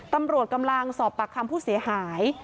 ตำรวจกำลังสอบปากคำผู้เสียหาย